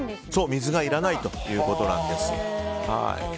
水がいらないということです。